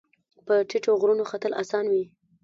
په ټیټو غرونو ختل اسان وي